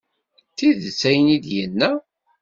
D tidet ayen i d-yenna.